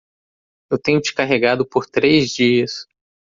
Eu tenho te carregado por três dias.